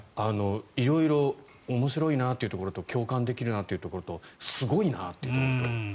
色々面白いなというところと共感できるなというところとすごいなっていうところと。